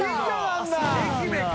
愛媛か！